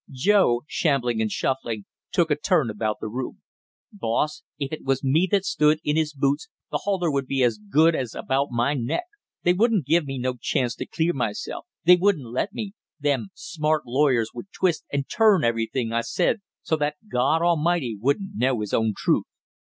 Joe, shambling and shuffling, took a turn about the room. "Boss, if it was me that stood in his boots the halter would be as good as about my neck; they wouldn't give me no chance to clear myself, they wouldn't let me! Them smart lawyers would twist and turn everything I said so that God A'mighty wouldn't know His own truth!"